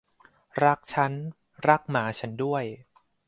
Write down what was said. รักฉัน รักหมาฉันด้วย